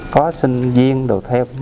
có sinh viên đồ theo